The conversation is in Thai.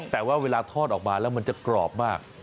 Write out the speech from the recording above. แต่ว่าเวลาทอดออกมาแล้วมันจะกรอบมาก